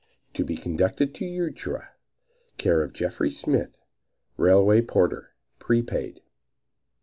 To be conducted to Echuca. Care of Jeffries Smith, Railway Porter. Prepaid.